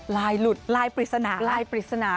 ลายหลุดลายปริศนา